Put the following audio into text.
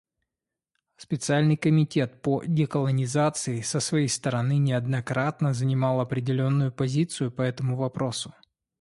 Специальный комитет по деколонизации, со своей стороны, неоднократно занимал определенную позицию по этому вопросу.